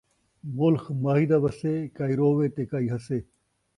ملخ ماہی دا وسّے ، کئی رووے تے کئی ہسّے